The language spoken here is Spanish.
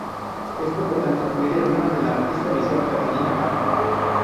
Es, por lo tanto, media hermana de la artista visual Catalina Parra.